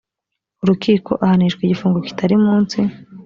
urukiko ahanishwa igifungo kitari munsi